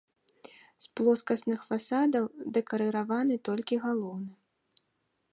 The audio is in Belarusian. З плоскасных фасадаў дэкарыраваны толькі галоўны.